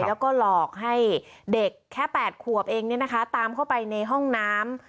แล้วก็หลอกให้เด็กแค่แปดขวบเองเนี่ยนะคะตามเข้าไปในห้องน้ำ